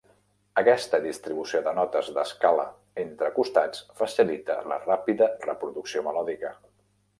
Aquesta distribució de notes d'escala entre costats facilita la ràpida reproducció melòdica.